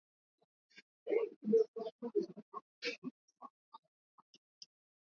Kenya ilikumbwa na uhaba wiki iliyopita